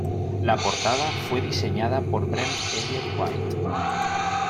La portada fue diseñada por Brent Elliott White.